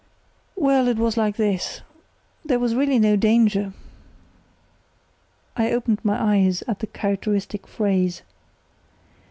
"Well, it was like this—there was really no danger"—I opened my eyes at the characteristic phrase.